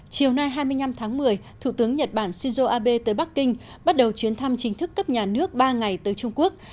chiều nay hai mươi năm tháng một mươi thủ tướng nhật bản shinzo abe tới bắc kinh bắt đầu chuyến thăm chính thức cấp nhà nước ba ngày tới trung quốc